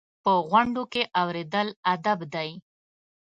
په غونډو کې اورېدل ادب دی.